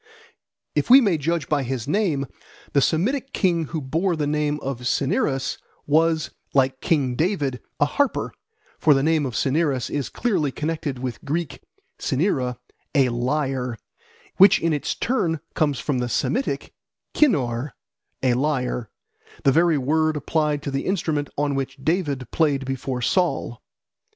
If we may judge by his name, the Semitic king who bore the name of Cinyras was, like King David, a harper; for the name of Cinyras is clearly connected with the Greek cinyra, "a lyre," which in its turn comes from the Semitic kinnor, "a lyre," the very word applied to the instrument on which David played before Saul.